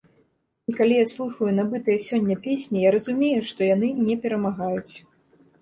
І калі я слухаю набытыя сёння песні, я разумею, што яны не перамагаюць.